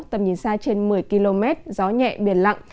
tầm nhìn xa trên một mươi km gió nhẹ biển lặng